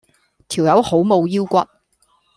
條友好冇腰骨